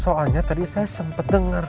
soalnya tadi saya sempat dengar